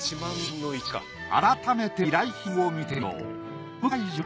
改めて依頼品を見てみよう。